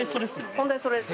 本題それです。